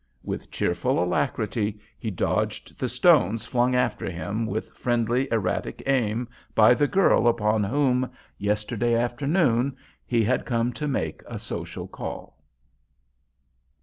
With cheerful alacrity he dodged the stones flung after him with friendly, erratic aim by the girl upon whom, yesterday afternoon, he had come to make a social call.